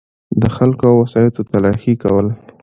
دخلګو او وسایطو تلاښي کول